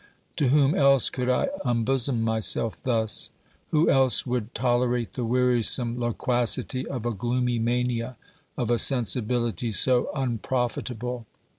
To whom else could I unbosom myself thus ? Who else would tolerate the wearisome loquacity of a gloomy mania, of a sensibility so unprofitable